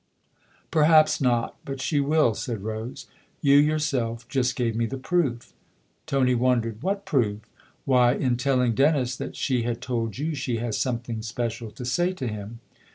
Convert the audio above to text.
" Perhaps not. But she will," said Rose. " You yourself just gave me the proof." Tony wondered. " What proof? "" Why, in telling Dennis that she had told you she has something special to say to him."